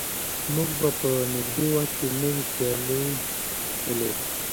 موږ به په نږدې وخت کې نوې سیالۍ ولرو.